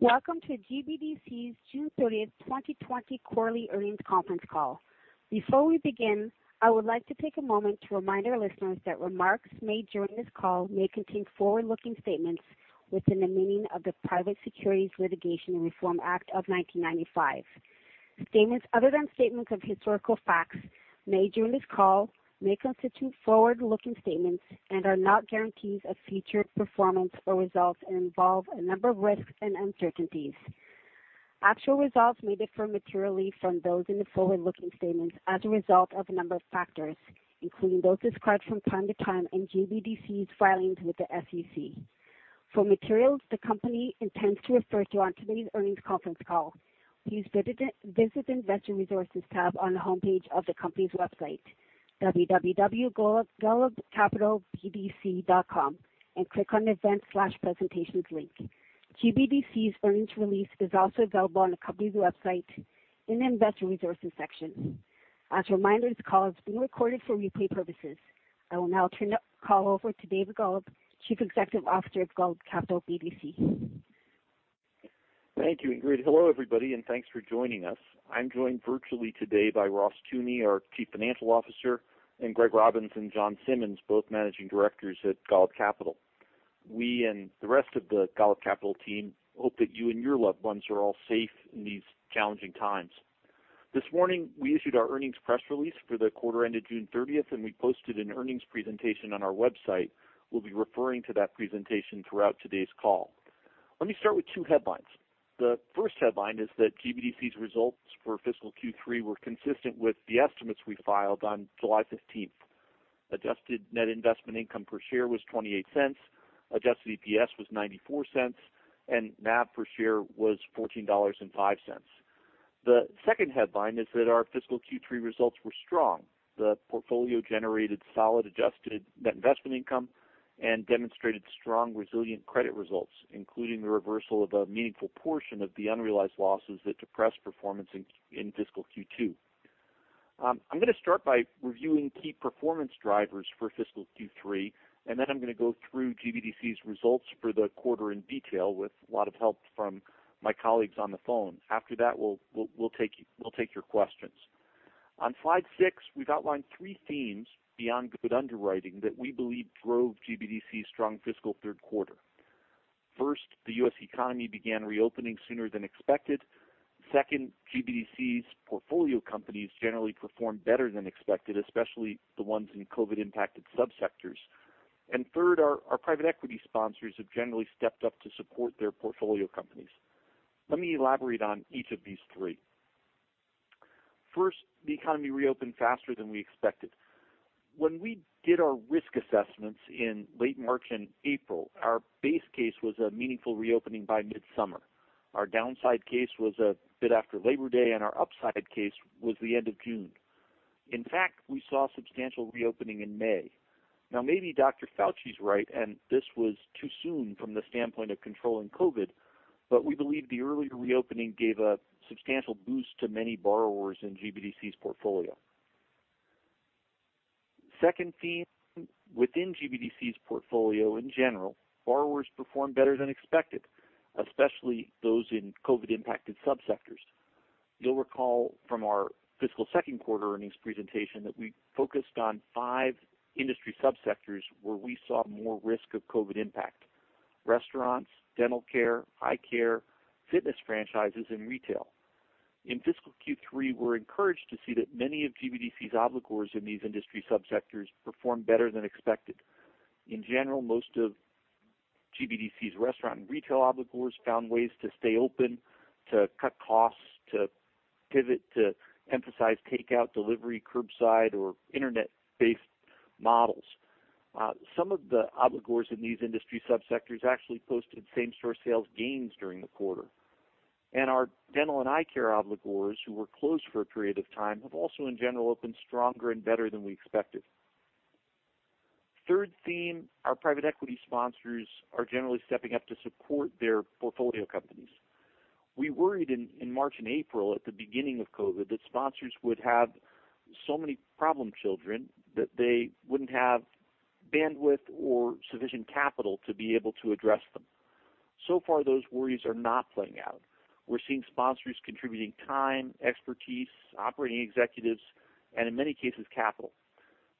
Welcome to GBDC's June 30th, 2020 quarterly earnings conference call. Before we begin, I would like to take a moment to remind our listeners that remarks made during this call may contain forward-looking statements within the meaning of the Private Securities Litigation Reform Act of 1995. Statements other than statements of historical facts made during this call may constitute forward-looking statements and are not guarantees of future performance or results and involve a number of risks and uncertainties. Actual results may differ materially from those in the forward-looking statements as a result of a number of factors, including those described from time to time in GBDC's filings with the SEC. For materials the company intends to refer to on today's earnings conference call, please visit the Investor Resources tab on the homepage of the company's website, www.golubcapitalbdc.com, and click on Events/Presentations link. GBDC's earnings release is also available on the company's website in the Investor Resources section. As a reminder, this call is being recorded for replay purposes. I will now turn the call over to David Golub, Chief Executive Officer of Golub Capital BDC. Thank you, Ingrid. Hello, everybody, thanks for joining us. I'm joined virtually today by Ross Teune, our Chief Financial Officer, Greg Robbins, Jon Simmons, both Managing Directors at Golub Capital. We the rest of the Golub Capital team hope that you and your loved ones are all safe in these challenging times. This morning, we issued our earnings press release for the quarter ended June 30th, we posted an earnings presentation on our website. We'll be referring to that presentation throughout today's call. Let me start with two headlines. The first headline is that GBDC's results for fiscal Q3 were consistent with the estimates we filed on July 15th. Adjusted net investment income per share was $0.28, adjusted EPS was $0.94, NAV per share was $14.05. The second headline is that our fiscal Q3 results were strong. The portfolio generated solid adjusted net investment income and demonstrated strong, resilient credit results, including the reversal of a meaningful portion of the unrealized losses that depressed performance in fiscal Q2. I'm going to start by reviewing key performance drivers for fiscal Q3, and then I'm going to go through GBDC's results for the quarter in detail with a lot of help from my colleagues on the phone. After that, we'll take your questions. On slide six, we've outlined three themes beyond good underwriting that we believe drove GBDC's strong fiscal third quarter. First, the U.S. economy began reopening sooner than expected. Second, GBDC's portfolio companies generally performed better than expected, especially the ones in COVID-impacted sub-sectors. Third, our private equity sponsors have generally stepped up to support their portfolio companies. Let me elaborate on each of these three. First, the economy reopened faster than we expected. When we did our risk assessments in late March and April, our base case was a meaningful reopening by mid-summer. Our downside case was a bit after Labor Day, our upside case was the end of June. In fact, we saw substantial reopening in May. Now, maybe Dr. Fauci's right, and this was too soon from the standpoint of controlling COVID, but we believe the earlier reopening gave a substantial boost to many borrowers in GBDC's portfolio. Second theme, within GBDC's portfolio in general, borrowers performed better than expected, especially those in COVID-impacted sub-sectors. You'll recall from our fiscal second quarter earnings presentation that we focused on five industry sub-sectors where we saw more risk of COVID impact. Restaurants, dental care, eye care, fitness franchises, and retail. In fiscal Q3, we're encouraged to see that many of GBDC's obligors in these industry sub-sectors performed better than expected. In general, most of GBDC's restaurant and retail obligors found ways to stay open, to cut costs, to pivot, to emphasize takeout, delivery, curbside, or internet-based models. Some of the obligors in these industry sub-sectors actually posted same-store sales gains during the quarter. Our dental and eye care obligors, who were closed for a period of time, have also, in general, opened stronger and better than we expected. Third theme, our private equity sponsors are generally stepping up to support their portfolio companies. We worried in March and April at the beginning of COVID that sponsors would have so many problem children that they wouldn't have bandwidth or sufficient capital to be able to address them. So far, those worries are not playing out. We're seeing sponsors contributing time, expertise, operating executives, and in many cases, capital.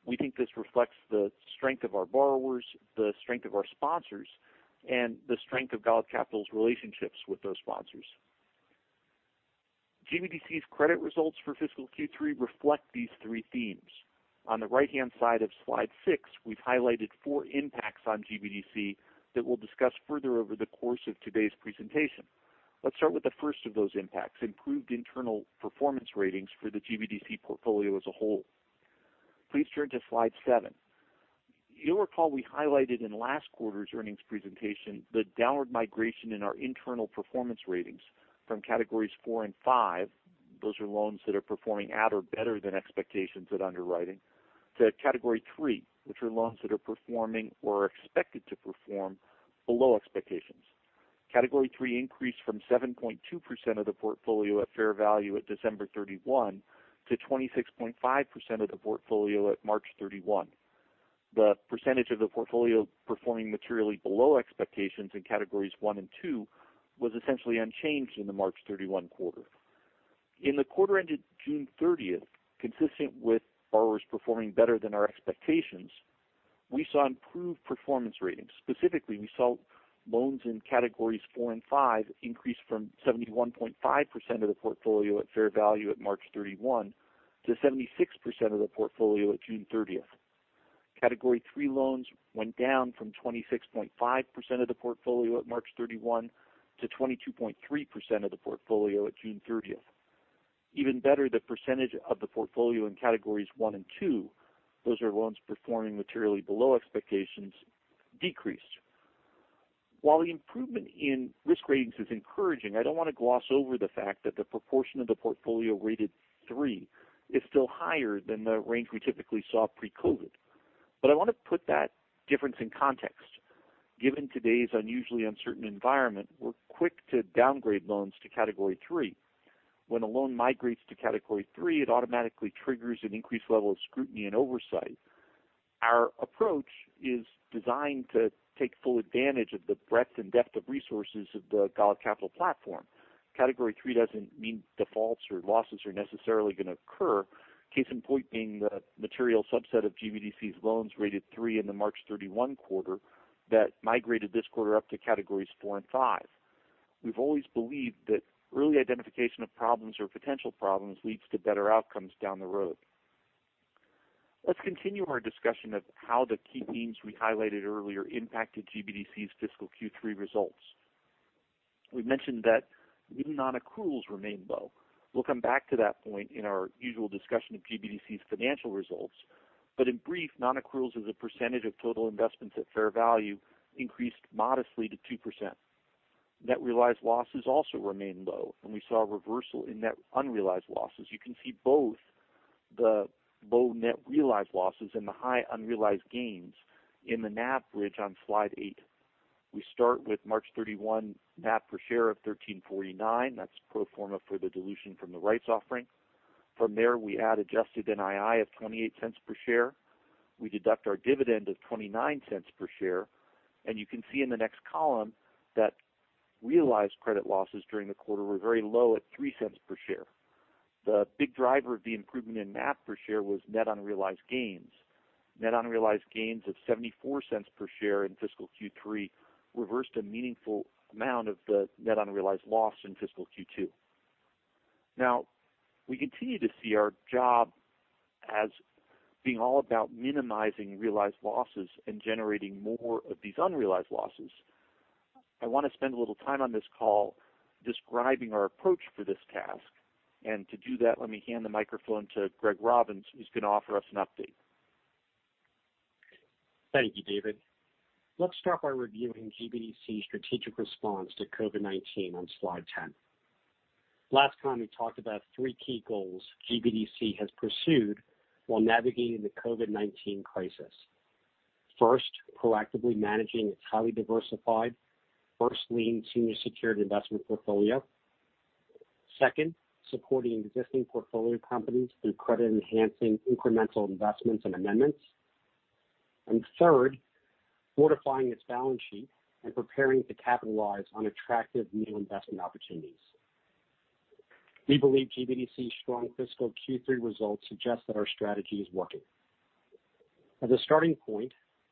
We think this reflects the strength of our borrowers, the strength of our sponsors, and the strength of Golub Capital's relationships with those sponsors. GBDC's credit results for fiscal Q3 reflect these three themes. On the right-hand side of slide six, we've highlighted four impacts on GBDC that we'll discuss further over the course of today's presentation. Let's start with the first of those impacts, improved internal performance ratings for the GBDC portfolio as a whole. Please turn to slide seven. You'll recall we highlighted in last quarter's earnings presentation the downward migration in our internal performance ratings from Categories Four and Five. Those are loans that are performing at or better than expectations at underwriting. To category three, which are loans that are performing or are expected to perform below expectations. Category Three increased from 7.2% of the portfolio at fair value at December 31 to 26.5% of the portfolio at March 31. The percentage of the portfolio performing materially below expectations in Categories One and Two was essentially unchanged in the March 31 quarter. In the quarter ended June 30th, consistent with borrowers performing better than our expectations, we saw improved performance ratings. Specifically, we saw loans in Categories Four and Five increase from 71.5% of the portfolio at fair value at March 31 to 76% of the portfolio at June 30th. Category Three loans went down from 26.5% of the portfolio at March 31 to 22.3% of the portfolio at June 30th. Even better, the percentage of the portfolio in Categories One and Two, those are loans performing materially below expectations, decreased. While the improvement in risk ratings is encouraging, I don't want to gloss over the fact that the proportion of the portfolio rated three is still higher than the range we typically saw pre-COVID. I want to put that difference in context. Given today's unusually uncertain environment, we're quick to downgrade loans to Category Three. When a loan migrates to Category Three, it automatically triggers an increased level of scrutiny and oversight. Our approach is designed to take full advantage of the breadth and depth of resources of the Golub Capital platform. Category Three doesn't mean defaults or losses are necessarily going to occur. Case in point being the material subset of GBDC's loans rated three in the March 31 quarter that migrated this quarter up to Categories Four and Five. We've always believed that early identification of problems or potential problems leads to better outcomes down the road. Let's continue our discussion of how the key themes we highlighted earlier impacted GBDC's fiscal Q3 results. We mentioned that leading non-accruals remain low. We'll come back to that point in our usual discussion of GBDC's financial results. In brief, non-accruals as a percentage of total investments at fair value increased modestly to 2%. Net realized losses also remained low, and we saw a reversal in net unrealized losses. You can see both the low net realized losses and the high unrealized gains in the NAV bridge on slide eight. We start with March 31 NAV per share of $13.49. That's pro forma for the dilution from the rights offering. From there, we add adjusted NII of $0.28 per share. We deduct our dividend of $0.29 per share, and you can see in the next column that realized credit losses during the quarter were very low at $0.03 per share. The big driver of the improvement in NAV per share was net unrealized gains. Net unrealized gains of $0.74 per share in fiscal Q3 reversed a meaningful amount of the net unrealized loss in fiscal Q2. Now, we continue to see our job as being all about minimizing realized losses and generating more of these unrealized losses. I want to spend a little time on this call describing our approach for this task. To do that, let me hand the microphone to Greg Robbins, who is going to offer us an update. Thank you, David. Let's start by reviewing GBDC's strategic response to COVID-19 on slide 10. Last time, we talked about three key goals GBDC has pursued while navigating the COVID-19 crisis. Proactively managing its highly diversified first lien senior secured investment portfolio. Supporting existing portfolio companies through credit-enhancing incremental investments and amendments. Third, fortifying its balance sheet and preparing to capitalize on attractive new investment opportunities. We believe GBDC's strong fiscal Q3 results suggest that our strategy is working. As a starting point,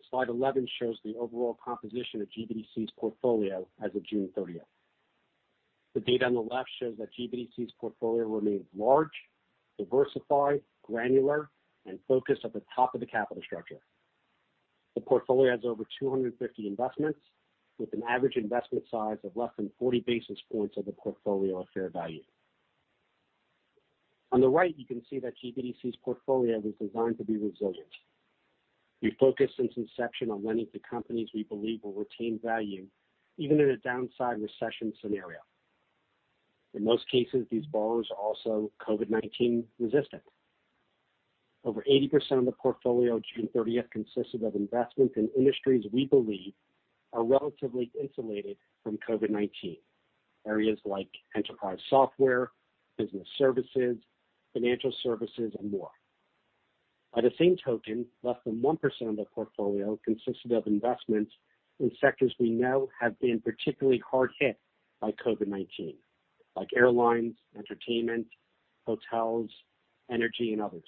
slide 11 shows the overall composition of GBDC's portfolio as of June 30th. The data on the left shows that GBDC's portfolio remains large, diversified, granular, and focused at the top of the capital structure. The portfolio has over 250 investments with an average investment size of less than 40 basis points of the portfolio at fair value. On the right, you can see that GBDC's portfolio was designed to be resilient. We focused since inception on lending to companies we believe will retain value even in a downside recession scenario. In most cases, these borrowers are also COVID-19 resistant. Over 80% of the portfolio at June 30th consisted of investments in industries we believe are relatively insulated from COVID-19. Areas like enterprise software, business services, financial services, and more. By the same token, less than 1% of the portfolio consisted of investments in sectors we know have been particularly hard hit by COVID-19, like airlines, entertainment, hotels, energy, and others.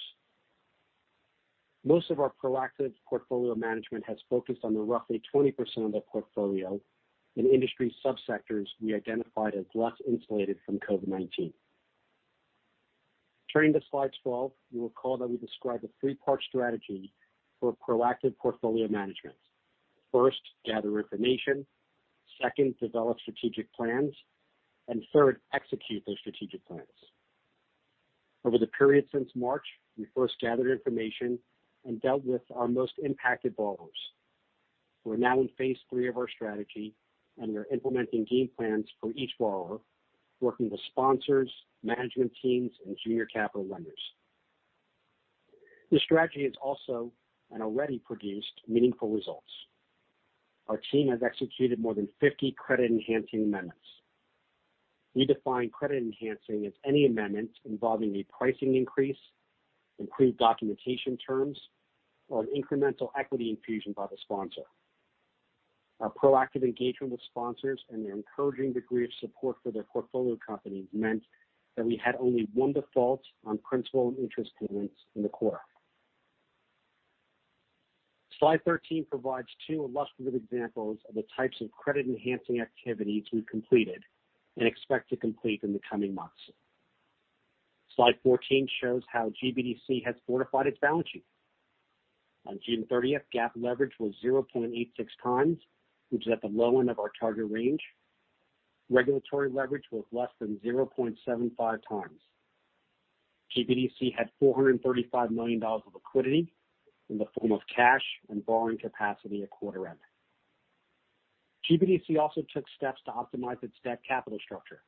Most of our proactive portfolio management has focused on the roughly 20% of the portfolio in industry sub-sectors we identified as less insulated from COVID-19. Turning to slide 12, you will recall that we described a three-part strategy for proactive portfolio management. First, gather information. Second, develop strategic plans. Third, execute those strategic plans. Over the period since March, we first gathered information and dealt with our most impacted borrowers. We're now in phase three of our strategy, and we're implementing game plans for each borrower, working with sponsors, management teams, and junior capital lenders. This strategy has also and already produced meaningful results. Our team has executed more than 50 credit-enhancing amendments. We define credit enhancing as any amendment involving a pricing increase, improved documentation terms, or an incremental equity infusion by the sponsor. Our proactive engagement with sponsors and their encouraging degree of support for their portfolio companies meant that we had only one default on principal and interest payments in the quarter. Slide 13 provides two illustrative examples of the types of credit-enhancing activities we completed and expect to complete in the coming months. Slide 14 shows how GBDC has fortified its balance sheet. On June 30th, GAAP leverage was 0.86x, which is at the low end of our target range. Regulatory leverage was less than 0.75x. GBDC had $435 million of liquidity in the form of cash and borrowing capacity at quarter end. GBDC also took steps to optimize its debt capital structure.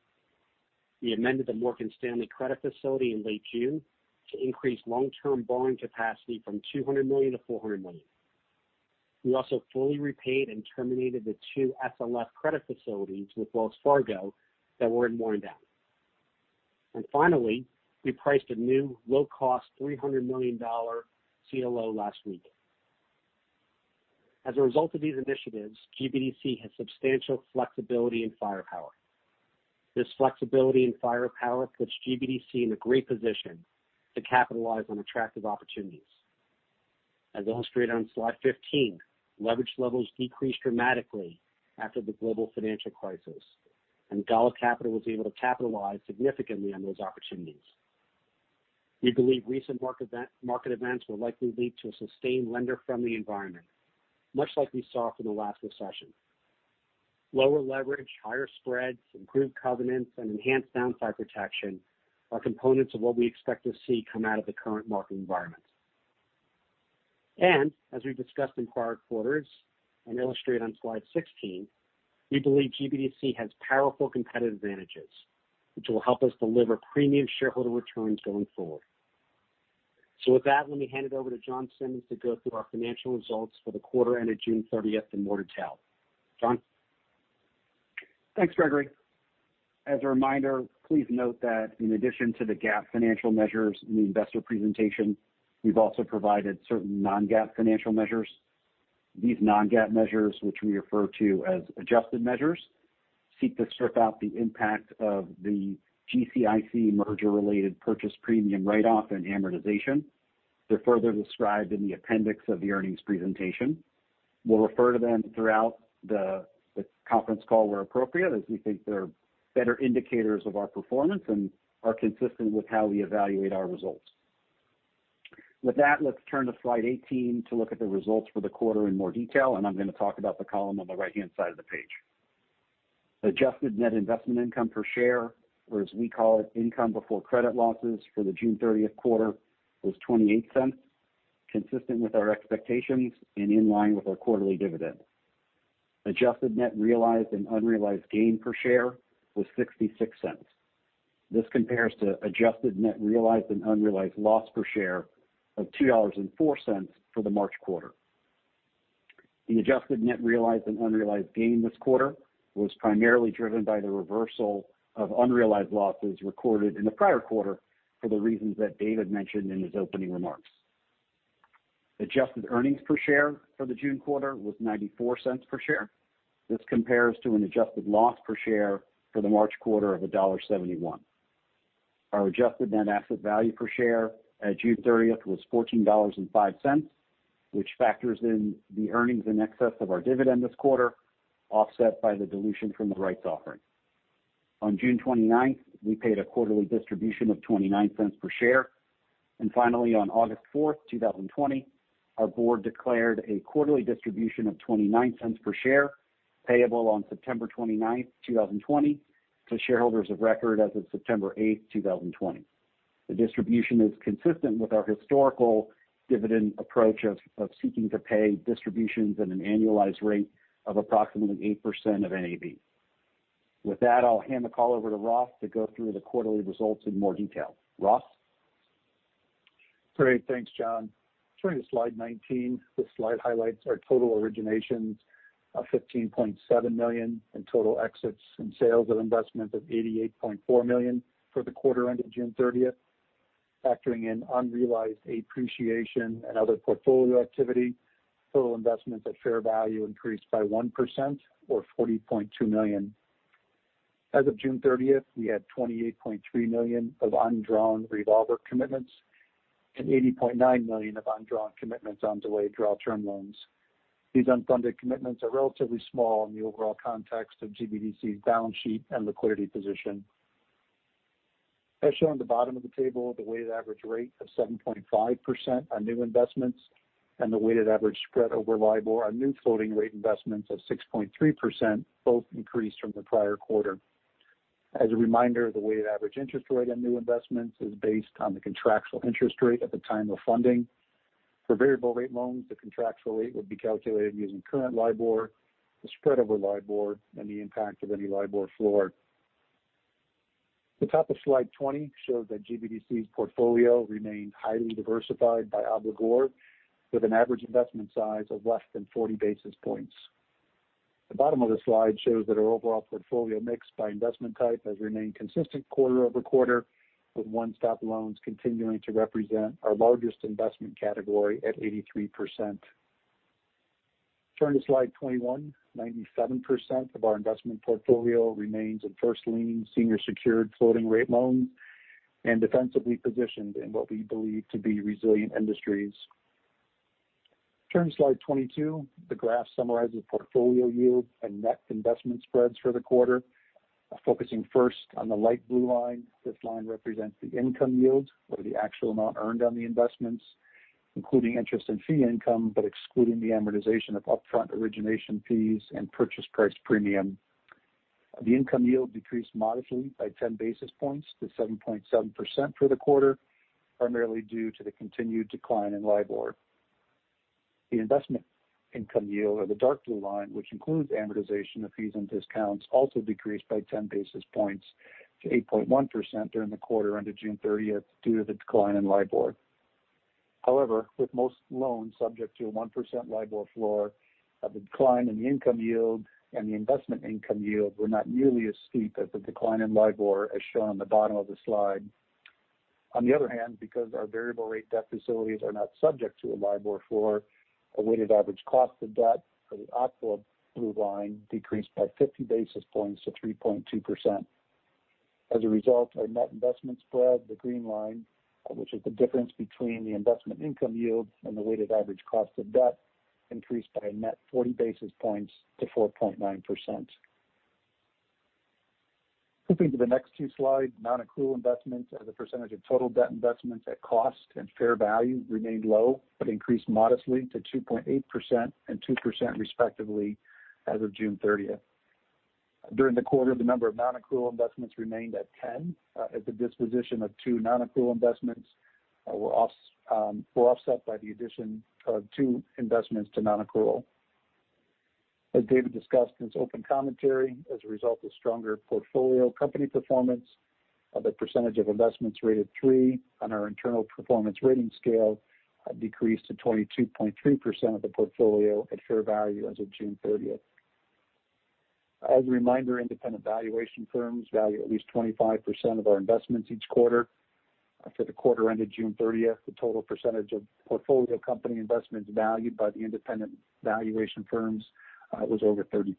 We amended the Morgan Stanley Credit Facility in late June to increase long-term borrowing capacity from $200 million to $400 million. We also fully repaid and terminated the two SLF Credit Facilities with Wells Fargo that were in wind down. Finally, we priced a new low-cost $300 million CLO last week. As a result of these initiatives, GBDC has substantial flexibility and firepower. This flexibility and firepower puts GBDC in a great position to capitalize on attractive opportunities. As illustrated on slide 15, leverage levels decreased dramatically after the global financial crisis. Golub Capital was able to capitalize significantly on those opportunities. We believe recent market events will likely lead to a sustained lender-friendly environment, much like we saw for the last recession. Lower leverage, higher spreads, improved covenants, and enhanced downside protection are components of what we expect to see come out of the current market environment. As we've discussed in prior quarters, and illustrated on slide 16, we believe GBDC has powerful competitive advantages, which will help us deliver premium shareholder returns going forward. With that, let me hand it over to Jon Simmons to go through our financial results for the quarter ended June 30th in more detail. Jon? Thanks, Gregory. As a reminder, please note that in addition to the GAAP financial measures in the investor presentation, we've also provided certain non-GAAP financial measures. These non-GAAP measures, which we refer to as adjusted measures, seek to strip out the impact of the GCIC merger-related purchase premium write-off and amortization. They're further described in the appendix of the earnings presentation. We'll refer to them throughout the conference call where appropriate, as we think they're better indicators of our performance and are consistent with how we evaluate our results. With that, let's turn to slide 18 to look at the results for the quarter in more detail. I'm going to talk about the column on the right-hand side of the page. Adjusted net investment income per share, or as we call it, income before credit losses for the June 30th quarter was $0.28, consistent with our expectations and in line with our quarterly dividend. Adjusted net realized and unrealized gain per share was $0.66. This compares to adjusted net realized and unrealized loss per share of $2.04 for the March quarter. The adjusted net realized and unrealized gain this quarter was primarily driven by the reversal of unrealized losses recorded in the prior quarter for the reasons that David mentioned in his opening remarks. Adjusted earnings per share for the June quarter was $0.94 per share. This compares to an adjusted loss per share for the March quarter of $1.71. Our adjusted net asset value per share at June 30th was $14.05, which factors in the earnings in excess of our dividend this quarter, offset by the dilution from the rights offering. On June 29th, we paid a quarterly distribution of $0.29 per share. Finally, on August 4th, 2020, our board declared a quarterly distribution of $0.29 per share, payable on September 29th, 2020 to shareholders of record as of September 8th, 2020. The distribution is consistent with our historical dividend approach of seeking to pay distributions at an annualized rate of approximately 8% of NAV. With that, I'll hand the call over to Ross to go through the quarterly results in more detail. Ross? Great. Thanks, Jon. Turning to slide 19, this slide highlights our total originations of $15.7 million and total exits and sales of investments of $88.4 million for the quarter ended June 30th. Factoring in unrealized appreciation and other portfolio activity, total investments at fair value increased by 1% or $40.2 million. As of June 30th, we had $28.3 million of undrawn revolver commitments and $80.9 million of undrawn commitments on delayed draw term loans. These unfunded commitments are relatively small in the overall context of GBDC's balance sheet and liquidity position. As shown at the bottom of the table, the weighted average rate of 7.5% on new investments and the weighted average spread over LIBOR on new floating rate investments of 6.3% both increased from the prior quarter. As a reminder, the weighted average interest rate on new investments is based on the contractual interest rate at the time of funding. For variable rate loans, the contractual rate would be calculated using current LIBOR, the spread over LIBOR, and the impact of any LIBOR floor. The top of slide 20 shows that GBDC's portfolio remains highly diversified by obligor, with an average investment size of less than 40 basis points. The bottom of the slide shows that our overall portfolio mix by investment type has remained consistent quarter-over-quarter, with one-stop loans continuing to represent our largest investment category at 83%. Turning to slide 21, 97% of our investment portfolio remains in first lien, senior secured floating rate loans and defensively positioned in what we believe to be resilient industries. Turning to slide 22, the graph summarizes portfolio yield and net investment spreads for the quarter. Focusing first on the light blue line, this line represents the income yield or the actual amount earned on the investments, including interest and fee income, but excluding the amortization of upfront origination fees and purchase price premium. The income yield decreased modestly by 10 basis points to 7.7% for the quarter, primarily due to the continued decline in LIBOR. The investment income yield or the dark blue line, which includes amortization of fees and discounts, also decreased by 10 basis points to 8.1% during the quarter ended June 30th due to the decline in LIBOR. However, with most loans subject to a 1% LIBOR floor, the decline in the income yield and the investment income yield were not nearly as steep as the decline in LIBOR, as shown on the bottom of the slide. On the other hand, because our variable rate debt facilities are not subject to a LIBOR floor, a weighted average cost of debt or the aqua blue line decreased by 50 basis points to 3.2%. As a result, our net investment spread, the green line, which is the difference between the investment income yield and the weighted average cost of debt, increased by a net 40 basis points to 4.9%. Flipping to the next two slides, non-accrual investments as a percentage of total debt investments at cost and fair value remained low, but increased modestly to 2.8% and 2% respectively as of June 30th. During the quarter, the number of non-accrual investments remained at 10 as the disposition of two non-accrual investments were offset by the addition of two investments to non-accrual. As David discussed in his opening commentary, as a result of stronger portfolio company performance, the percentage of investments rated three on our internal performance rating scale decreased to 22.3% of the portfolio at fair value as of June 30th. As a reminder, independent valuation firms value at least 25% of our investments each quarter. For the quarter ended June 30th, the total percentage of portfolio company investments valued by the independent valuation firms was over 30%.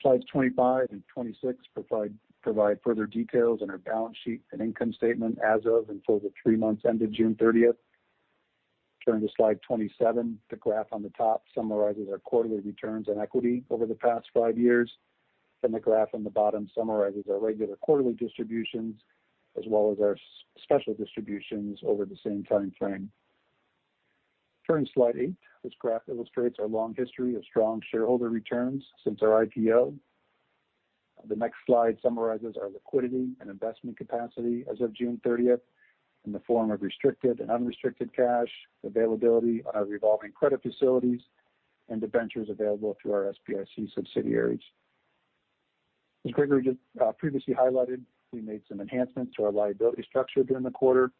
Slides 25 and 26 provide further details on our balance sheet and income statement as of and for the three months ended June 30th. Turning to slide 27, the graph on the top summarizes our quarterly returns on equity over the past five years, and the graph on the bottom summarizes our regular quarterly distributions as well as our special distributions over the same time frame. Turning to slide [28], this graph illustrates our long history of strong shareholder returns since our IPO. The next slide summarizes our liquidity and investment capacity as of June 30th in the form of restricted and unrestricted cash, availability on our revolving credit facilities, and debentures available through our SBIC subsidiaries. As Gregory previously highlighted, we made some enhancements to our liability structure during the quarter,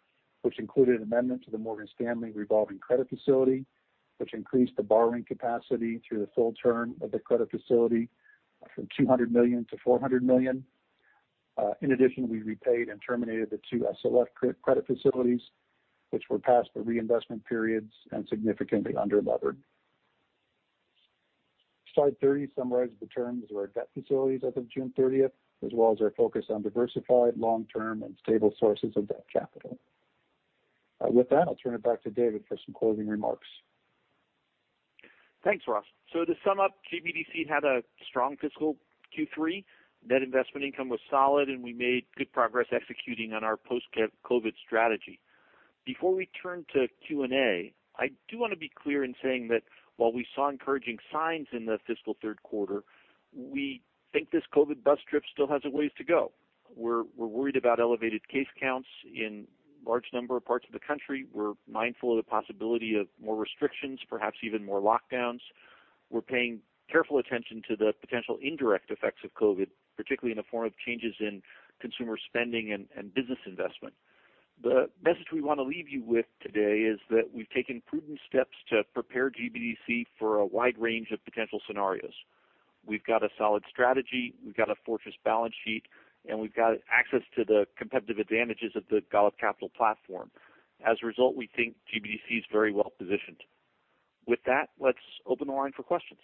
which included an amendment to the Morgan Stanley revolving Credit Facility, which increased the borrowing capacity through the full term of the Credit Facility from $200 million to $400 million. In addition, we repaid and terminated the two SLF Credit Facilities, which were past the reinvestment periods and significantly underlevered. Slide 30 summarizes the terms of our debt facilities as of June 30th as well as our focus on diversified, long-term, and stable sources of debt capital. With that, I'll turn it back to David for some closing remarks. Thanks, Ross. To sum up, GBDC had a strong fiscal Q3. Net investment income was solid, and we made good progress executing on our post-COVID strategy. Before we turn to Q&A, I do want to be clear in saying that while we saw encouraging signs in the fiscal third quarter, we think this COVID bus trip still has a ways to go. We're worried about elevated case counts in large number of parts of the country. We're mindful of the possibility of more restrictions, perhaps even more lockdowns. We're paying careful attention to the potential indirect effects of COVID, particularly in the form of changes in consumer spending and business investment. The message we want to leave you with today is that we've taken prudent steps to prepare GBDC for a wide range of potential scenarios. We've got a solid strategy, we've got a fortress balance sheet, and we've got access to the competitive advantages of the Golub Capital platform. As a result, we think GBDC is very well-positioned. With that, let's open the line for questions.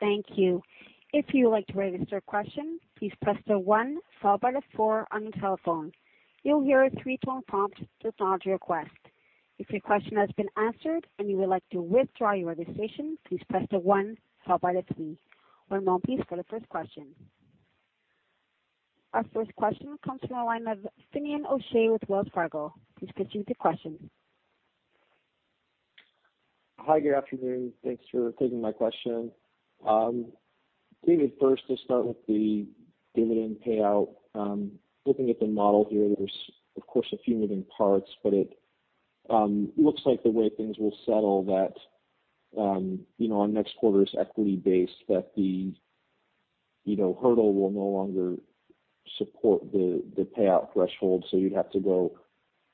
Thank you. If you would like to register a question, please press the one followed by the four on your telephone. You'll hear a three-tone prompt to acknowledge your request. If your question has been answered and you would like to withdraw your registration, please press the one followed by the three. One moment please for the first question. Our first question comes from the line of Finian O'Shea with Wells Fargo. Please proceed with your question. Hi. Good afternoon. Thanks for taking my question. David, first to start with the dividend payout. Looking at the model here, there's, of course, a few moving parts, but it looks like the way things will settle that on next quarter's equity base that the hurdle will no longer support the payout threshold, so you'd have to go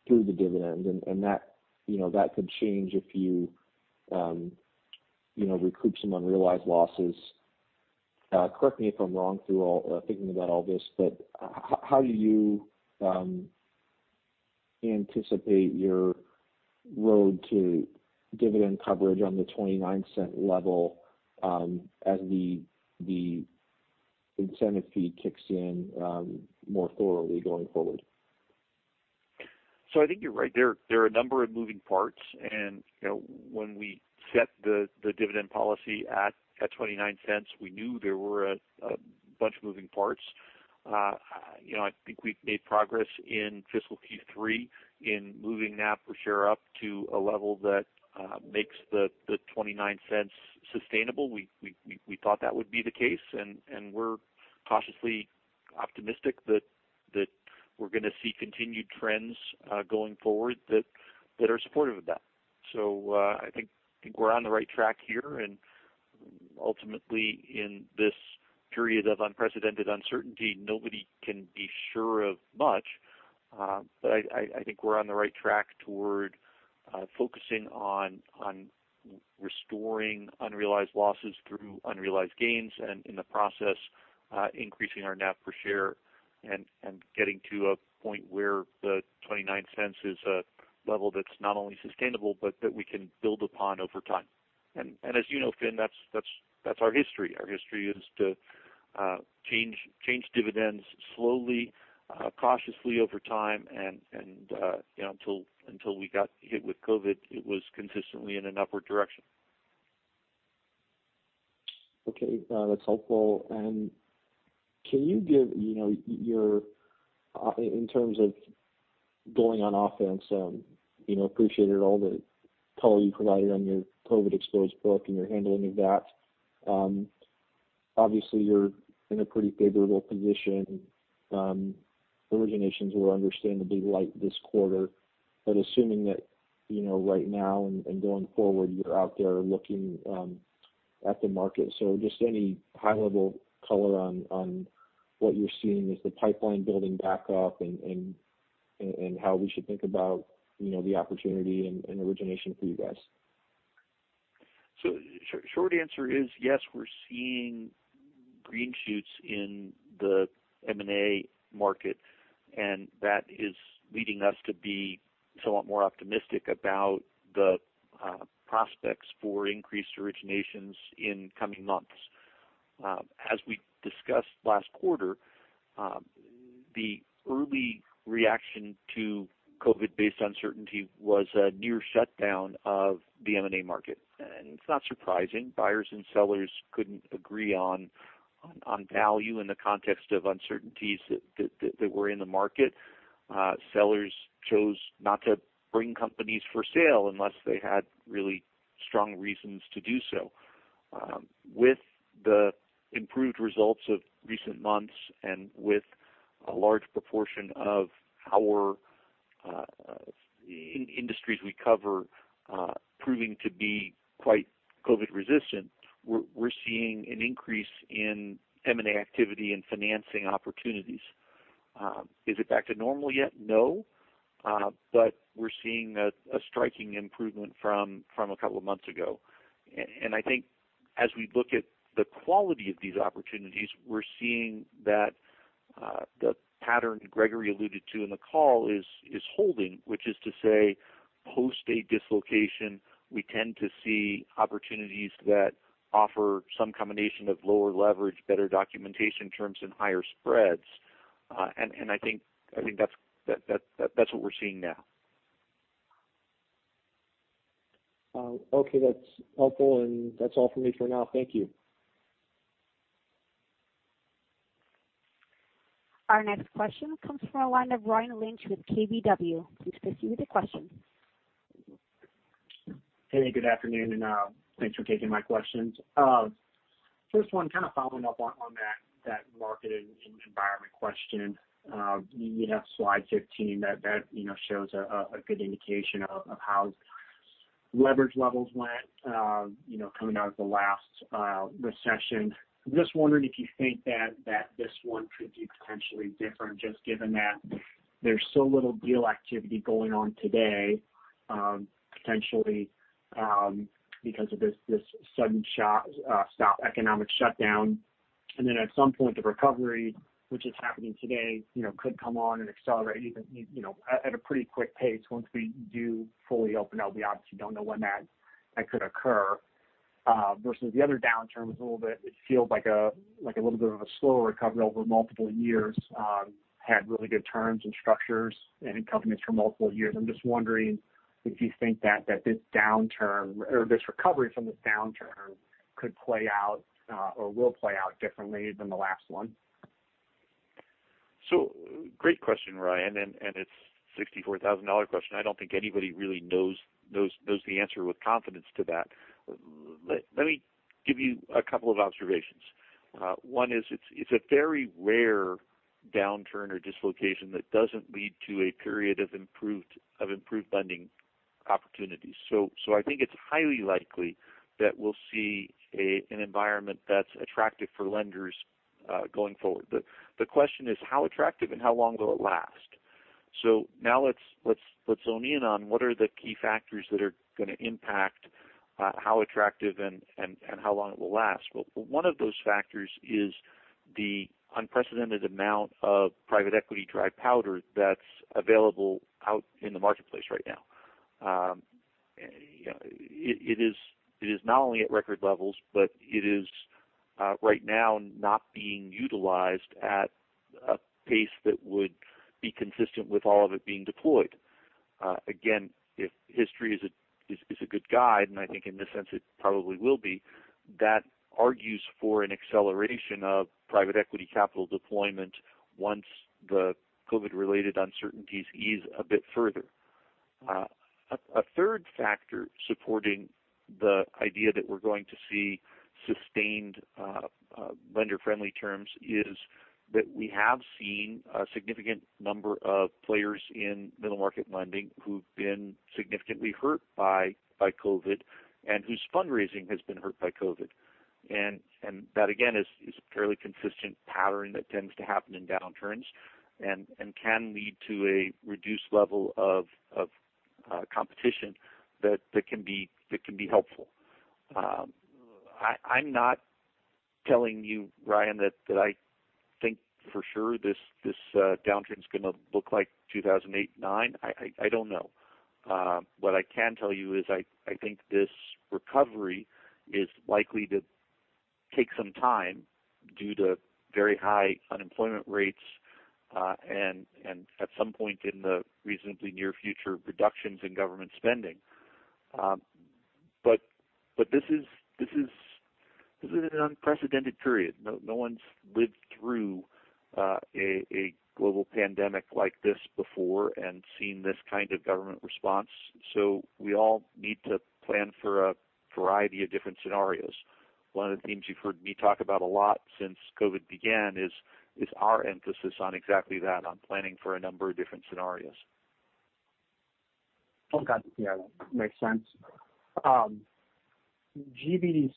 through the dividend. That could change if you recoup some unrealized losses. Correct me if I'm wrong through thinking about all this, but how do you anticipate your road to dividend coverage on the $0.29 level as the incentive fee kicks in more thoroughly going forward? I think you're right. There are a number of moving parts, and when we set the dividend policy at $0.29, we knew there were a bunch of moving parts. I think we've made progress in fiscal Q3 in moving NAV per share up to a level that makes the $0.29 sustainable. We thought that would be the case, and we're cautiously optimistic that we're going to see continued trends going forward that are supportive of that. I think we're on the right track here, and ultimately in this period of unprecedented uncertainty, nobody can be sure of much. I think we're on the right track toward focusing on restoring unrealized losses through unrealized gains, and in the process, increasing our NAV per share and getting to a point where the $0.29 is a level that's not only sustainable, but that we can build upon over time. As you know, Finn, that's our history. Our history is to change dividends slowly, cautiously over time, and until we got hit with COVID, it was consistently in an upward direction. Okay. That's helpful. In terms of going on offense, appreciated all the color you provided on your COVID exposed book and your handling of that. Obviously, you're in a pretty favorable position. Originations were understandably light this quarter, assuming that right now and going forward, you're out there looking at the market. Just any high-level color on what you're seeing. Is the pipeline building back up? How we should think about the opportunity and origination for you guys. Short answer is yes, we're seeing green shoots in the M&A market, and that is leading us to be somewhat more optimistic about the prospects for increased originations in coming months. As we discussed last quarter, the early reaction to COVID-based uncertainty was a near shutdown of the M&A market. It's not surprising. Buyers and sellers couldn't agree on value in the context of uncertainties that were in the market. Sellers chose not to bring companies for sale unless they had really strong reasons to do so. With the improved results of recent months and with a large proportion of our industries we cover proving to be quite COVID resistant, we're seeing an increase in M&A activity and financing opportunities. Is it back to normal yet? No. We're seeing a striking improvement from a couple of months ago. I think as we look at the quality of these opportunities, we're seeing that the pattern Gregory alluded to in the call is holding, which is to say, post a dislocation, we tend to see opportunities that offer some combination of lower leverage, better documentation terms, and higher spreads. I think that's what we're seeing now. Okay. That's helpful. That's all for me for now. Thank you. Our next question comes from the line of Ryan Lynch with KBW. Please proceed with your question. Good afternoon, and thanks for taking my questions. First one, kind of following up on that market and environment question. You have slide 15 that shows a good indication of how leverage levels went coming out of the last recession. I'm just wondering if you think that this one could be potentially different, just given that there's so little deal activity going on today, potentially because of this sudden shock, economic shutdown. At some point, the recovery, which is happening today, could come on and accelerate even at a pretty quick pace once we do fully open. Obviously, we don't know when that could occur. Versus the other downturn, it feels like a little bit of a slower recovery over multiple years. It had really good terms and structures and companies for multiple years. I'm just wondering if you think that this recovery from this downturn could play out, or will play out differently than the last one. Great question, Ryan, and it's a $64,000 question. I don't think anybody really knows the answer with confidence to that. Let me give you a couple of observations. One is, it's a very rare downturn or dislocation that doesn't lead to a period of improved lending opportunities. I think it's highly likely that we'll see an environment that's attractive for lenders, going forward. The question is how attractive and how long will it last? Now let's zone in on what are the key factors that are going to impact how attractive and how long it will last. Well, one of those factors is the unprecedented amount of private equity dry powder that's available out in the marketplace right now. It is not only at record levels, but it is, right now, not being utilized at a pace that would be consistent with all of it being deployed. Again, if history is a good guide, and I think in this sense it probably will be, that argues for an acceleration of private equity capital deployment once the COVID-related uncertainties ease a bit further. A third factor supporting the idea that we're going to see sustained lender-friendly terms is that we have seen a significant number of players in middle market lending who've been significantly hurt by COVID and whose fundraising has been hurt by COVID. That, again, is a fairly consistent pattern that tends to happen in downturns and can lead to a reduced level of competition that can be helpful. I'm not telling you, Ryan, that I think for sure this downturn is going to look like 2008 and 2009. I don't know. What I can tell you is I think this recovery is likely to take some time due to very high unemployment rates, and at some point in the reasonably near future, reductions in government spending. This is an unprecedented period. No one's lived through a global pandemic like this before and seen this kind of government response. We all need to plan for a variety of different scenarios. One of the themes you've heard me talk about a lot since COVID began is our emphasis on exactly that, on planning for a number of different scenarios. Okay. Yeah, that makes sense. GBDC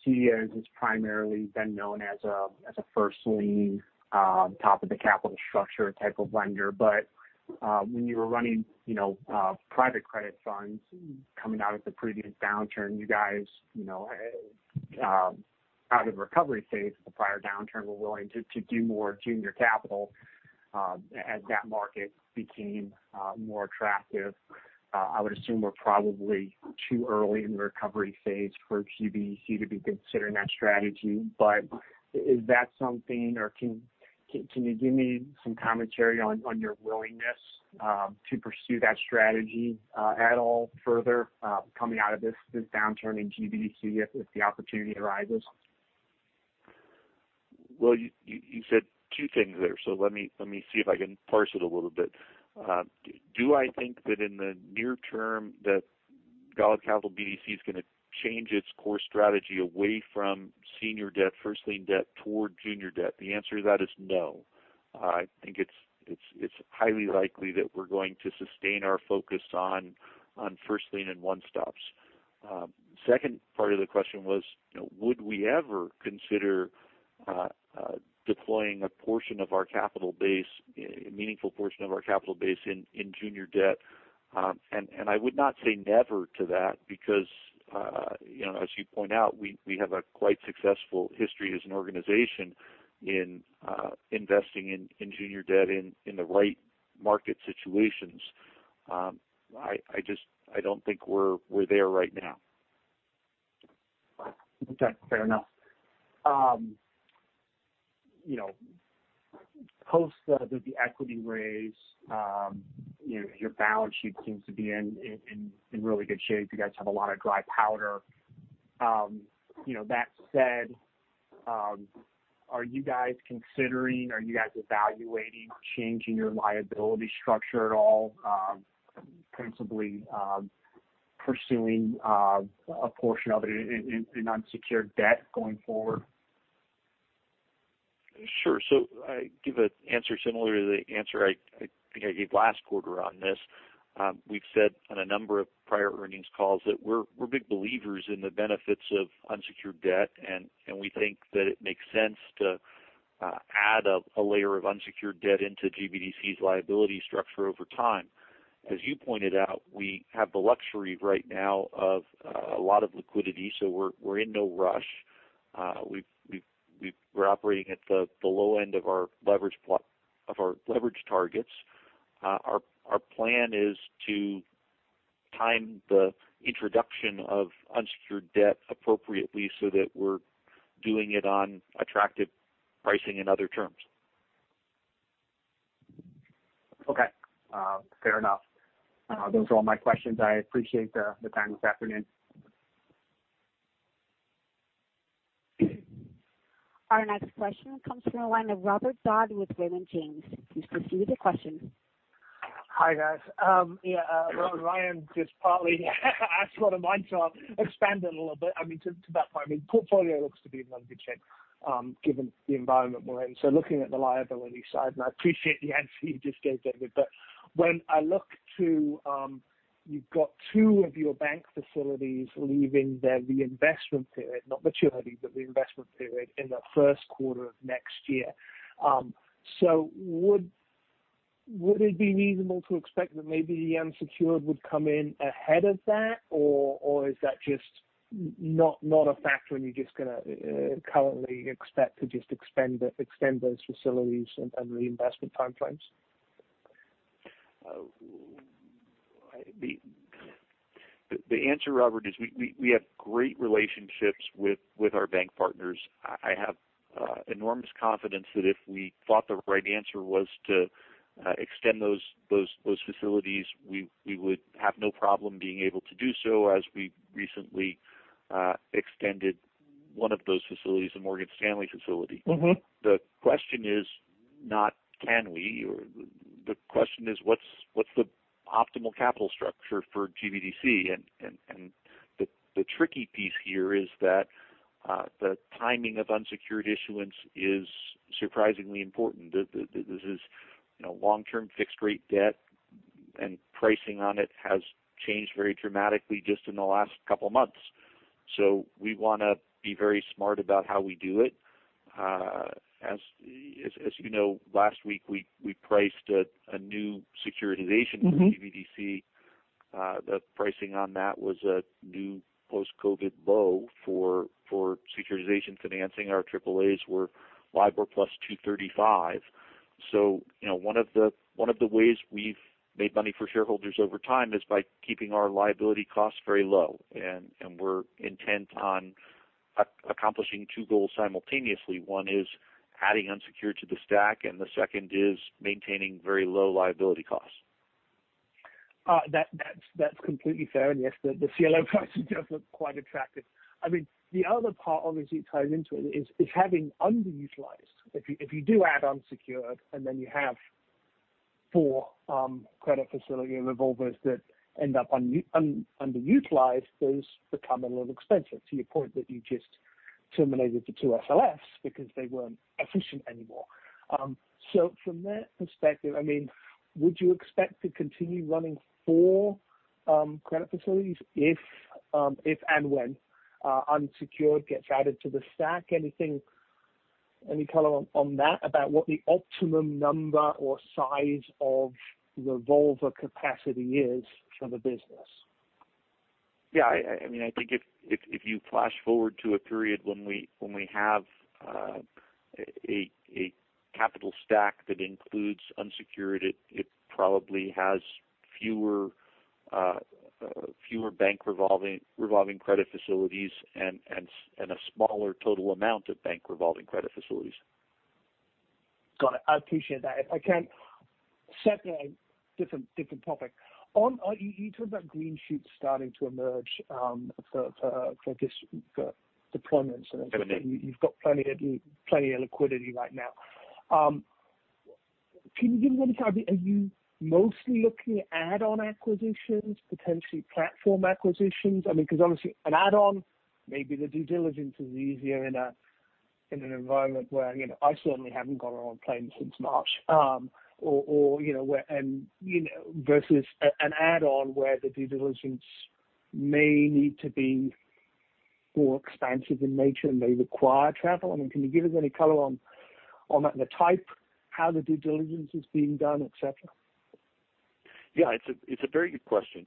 has primarily been known as a first lien, top of the capital structure type of lender. When you were running private credit funds coming out of the previous downturn, you guys, out of the recovery phase of the prior downturn, were willing to do more junior capital, as that market became more attractive. I would assume we're probably too early in the recovery phase for GBDC to be considering that strategy. Is that something, or can you give me some commentary on your willingness to pursue that strategy at all further, coming out of this downturn in GBDC if the opportunity arises? Well, you said two things there, let me see if I can parse it a little bit. Do I think that in the near term that Golub Capital BDC is going to change its core strategy away from senior debt, first lien debt, toward junior debt? The answer to that is no. I think it's highly likely that we're going to sustain our focus on first lien and one-stops. Second part of the question was, would we ever consider deploying a portion of our capital base, a meaningful portion of our capital base in junior debt? I would not say never to that because, as you point out, we have a quite successful history as an organization in investing in junior debt in the right market situations. I don't think we're there right now. Okay, fair enough. Post the equity raise, your balance sheet seems to be in really good shape. You guys have a lot of dry powder. That said, are you guys evaluating changing your liability structure at all, principally, pursuing a portion of it in unsecured debt going forward? Sure. I give an answer similar to the answer I think I gave last quarter on this. We've said on a number of prior earnings calls that we're big believers in the benefits of unsecured debt, and we think that it makes sense to add a layer of unsecured debt into GBDC's liability structure over time. As you pointed out, we have the luxury right now of a lot of liquidity, so we're in no rush. We're operating at the low end of our leverage targets. Our plan is to time the introduction of unsecured debt appropriately so that we're doing it on attractive pricing and other terms. Okay. Fair enough. Those are all my questions. I appreciate the time this afternoon. Our next question comes from the line of Robert Dodd with Raymond James. Please proceed with your question. Hi, guys. Yeah, Ryan, [just partly ask a lot of mine so], expand it a little bit. To that point, portfolio looks to be in bloody good shape, given the environment we're in. Looking at the liability side, and I appreciate the answer you just gave, David, but when I look to, you've got two of your bank facilities leaving their reinvestment period, not maturity, but reinvestment period in the first quarter of next year. Would it be reasonable to expect that maybe unsecured would come in ahead of that? Is that just not a factor and you're just going to currently expect to just extend those facilities and reinvestment timeframes? The answer, Robert, is we have great relationships with our bank partners. I have enormous confidence that if we thought the right answer was to extend those facilities, we would have no problem being able to do so as we recently extended one of those facilities, the Morgan Stanley Facility. The question is not can we, or the question is what's the optimal capital structure for GBDC? The tricky piece here is that the timing of unsecured issuance is surprisingly important. This is long-term fixed rate debt, and pricing on it has changed very dramatically just in the last couple of months. We want to be very smart about how we do it. As you know, last week we priced a new securitization for GBDC. The pricing on that was a new post-COVID low for securitization financing. Our AAAs were LIBOR plus 235. One of the ways we've made money for shareholders over time is by keeping our liability costs very low. We're intent on accomplishing two goals simultaneously. One is adding unsecured to the stack, and the second is maintaining very low liability costs. That's completely fair. Yes, the CLO pricing does look quite attractive. The other part, obviously, ties into it is having underutilized. If you do add unsecured and then you have four credit facility revolvers that end up underutilized, those become a little expensive, to your point that you just terminated the two SLF because they weren't efficient anymore. From that perspective, would you expect to continue running four credit facilities if and when unsecured gets added to the stack? Any color on that about what the optimum number or size of revolver capacity is for the business? I think if you flash forward to a period when we have a capital stack that includes unsecured, it probably has fewer bank revolving credit facilities and a smaller total amount of bank revolving credit facilities. Got it. I appreciate that. If I can, secondly, different topic. You talked about green shoots starting to emerge for deployments. M&A. You've got plenty of liquidity right now. Are you mostly looking at add-on acquisitions, potentially platform acquisitions? Obviously an add-on, maybe the due diligence is easier in an environment where I certainly haven't gotten on a plane since March. Versus an add-on where the due diligence may need to be more expansive in nature and may require travel. Can you give us any color on the type, how the due diligence is being done, et cetera? Yeah. It's a very good question.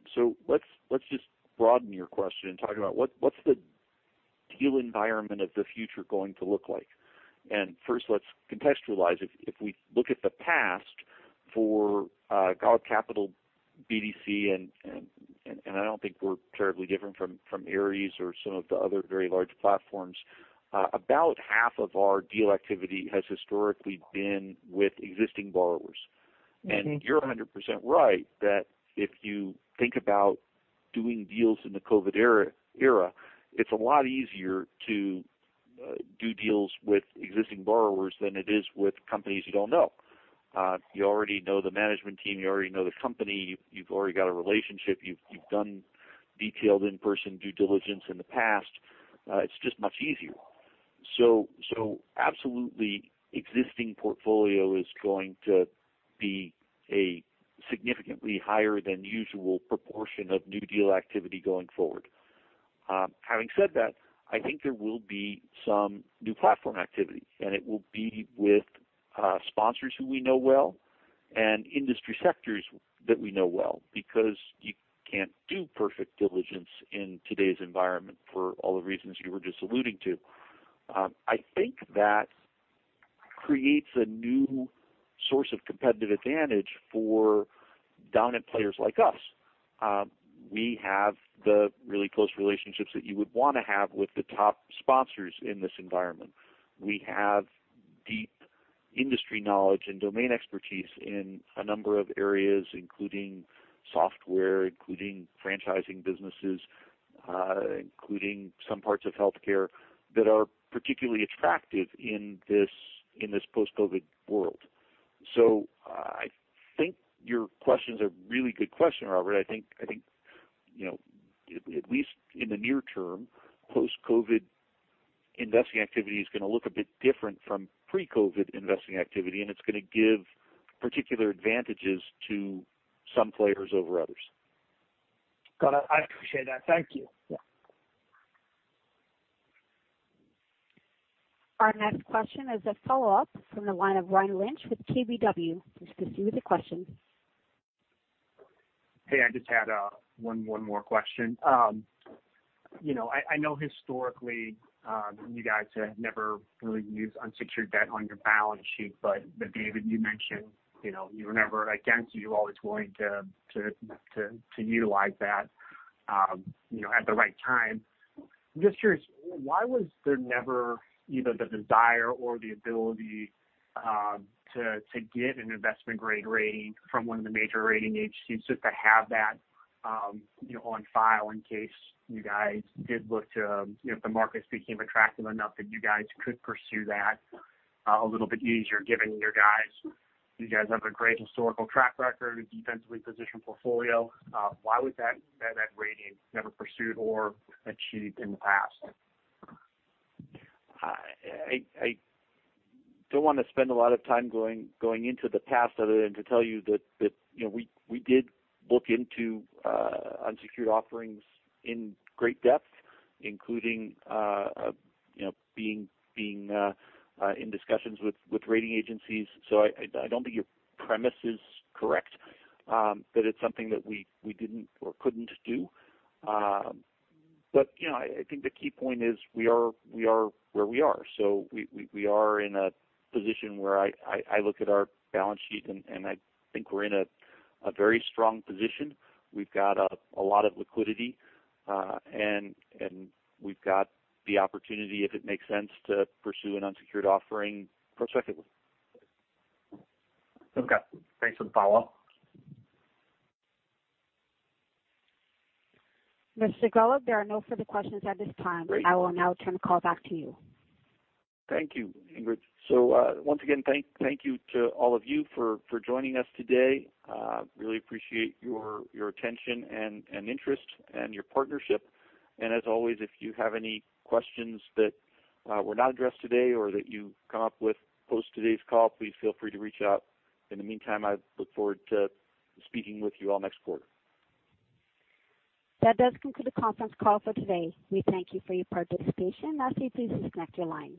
Let's just broaden your question and talk about what's the deal environment of the future going to look like. First, let's contextualize. If we look at the past for Golub Capital BDC, and I don't think we're terribly different from Ares or some of the other very large platforms. About half of our deal activity has historically been with existing borrowers. You're 100% right that if you think about doing deals in the COVID era, it's a lot easier to do deals with existing borrowers than it is with companies you don't know. You already know the management team. You already know the company. You've already got a relationship. You've done detailed in-person due diligence in the past. It's just much easier. Absolutely, existing portfolio is going to be a significantly higher than usual proportion of new deal activity going forward. Having said that, I think there will be some new platform activity, and it will be with sponsors who we know well and industry sectors that we know well because you can't do perfect diligence in today's environment for all the reasons you were just alluding to. I think that creates a new source of competitive advantage for dominant players like us. We have the really close relationships that you would want to have with the top sponsors in this environment. We have deep industry knowledge and domain expertise in a number of areas, including software, including franchising businesses, including some parts of healthcare that are particularly attractive in this post-COVID world. I think your question's a really good question, Robert. I think at least in the near term, post-COVID investing activity is going to look a bit different from pre-COVID investing activity, and it's going to give particular advantages to some players over others. Got it. I appreciate that. Thank you. Yeah. Our next question is a follow-up from the line of Ryan Lynch with KBW. Please proceed with your question. Hey, I just had one more question. I know historically you guys have never really used unsecured debt on your balance sheet, but David, you mentioned you were never against, you're always willing to utilize that at the right time. I'm just curious, why was there never either the desire or the ability to get an investment-grade rating from one of the major rating agencies just to have that on file in case you guys did if the markets became attractive enough that you guys could pursue that a little bit easier given you guys have a great historical track record, a defensively positioned portfolio. Why was that rating never pursued or achieved in the past? I don't want to spend a lot of time going into the past other than to tell you that we did look into unsecured offerings in great depth, including being in discussions with rating agencies. I don't think your premise is correct that it's something that we didn't or couldn't do. I think the key point is we are where we are. We are in a position where I look at our balance sheet, and I think we're in a very strong position. We've got a lot of liquidity, and we've got the opportunity, if it makes sense, to pursue an unsecured offering prospectively. Okay. Thanks for the follow-up. Mr. Golub, there are no further questions at this time. Great. I will now turn the call back to you. Thank you, Ingrid. Once again, thank you to all of you for joining us today. Really appreciate your attention and interest and your partnership. As always, if you have any questions that were not addressed today or that you come up with post today's call, please feel free to reach out. In the meantime, I look forward to speaking with you all next quarter. That does conclude the conference call for today. We thank you for your participation. I ask that you please disconnect your line.